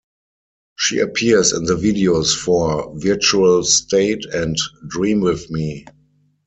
She appears in the videos for "Virtual State" and "Dream With Me".